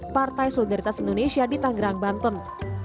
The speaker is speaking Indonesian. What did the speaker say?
partai solidaritas indonesia di tanggerang banten